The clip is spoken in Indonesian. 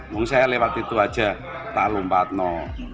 mau saya lewat itu aja tak lompat no